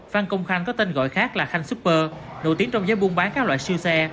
phan công khanh có tên gọi khác là khanh super nổi tiếng trong giới buôn bán các loại siêu xe